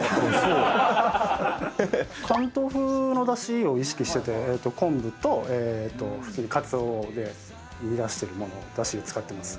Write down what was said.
関東風のだしを意識してて昆布とカツオで煮出してるものだしに使ってます。